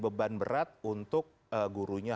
beban berat untuk gurunya